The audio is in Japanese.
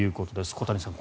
小谷さん